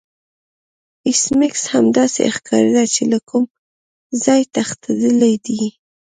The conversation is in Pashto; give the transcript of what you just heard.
ایس میکس هم داسې ښکاریده چې له کوم ځای تښتیدلی دی